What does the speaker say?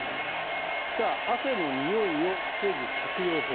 汗においを防ぐ着用法。